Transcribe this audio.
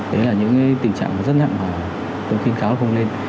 đấy là những tình trạng rất hẳn tôi khuyên cáo không nên